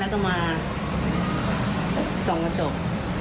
แล้วก็มาส่องกระจก